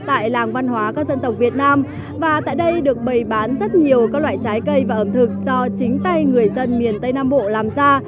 tại làng văn hóa các dân tộc việt nam và tại đây được bày bán rất nhiều các loại trái cây và ẩm thực do chính tay người dân miền tây nam bộ làm ra